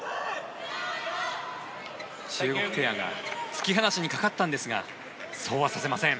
中国ペアが突き放しにかかったんですがそうはさせません。